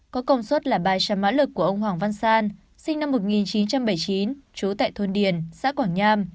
có công suất là ba trăm linh mã lực của ông hoàng văn san sinh năm một nghìn chín trăm bảy mươi chín trú tại thôn điền xã quảng nham